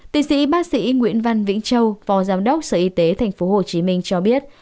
tiến sĩ bác sĩ nguyễn văn vĩnh châu phò giám đốc sở y tế thành phố hồ chí minh cho biết